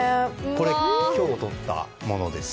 これ、今日とったものです。